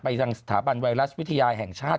ยังสถาบันไวรัสวิทยาแห่งชาติ